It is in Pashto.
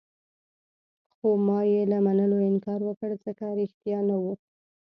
خو ما يې له منلو انکار وکړ، ځکه ريښتیا نه وو.